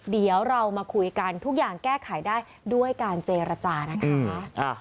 เดี๋ยวเรามาคุยกันทุกอย่างแก้ไขได้ด้วยการเจรจานะคะ